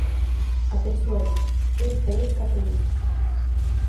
A persoa di: Eu esperei catro meses.